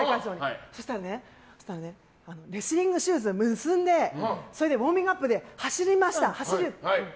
そうしたらレスリングシューズを結んでウォーミングアップで走りました。